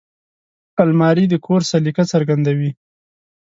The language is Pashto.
الماري د کور سلیقه څرګندوي